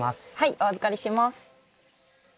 お預かりします。